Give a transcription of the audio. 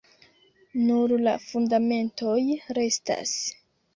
Nur la fundamentoj restas.